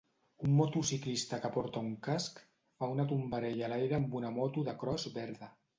Un motociclista que porta un casc fa una tombarella a l'aire amb una moto de cros verda.